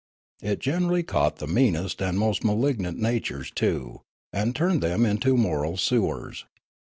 It generally caught the meanest and most malignant natures, too, and turned them into moral sewers.